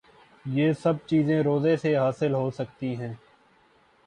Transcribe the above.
یہ سب چیزیں روزے سے حاصل ہو سکتی ہیں